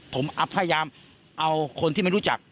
ผมพยายามเอาคนที่ไม่รู้จัก